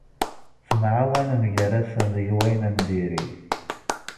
Ttemɛawanen gar-asen deg wayen n diri.